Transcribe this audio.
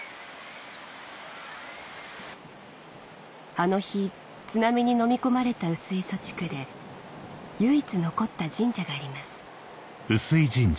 あの日津波にのみ込まれた薄磯地区で唯一残った神社があります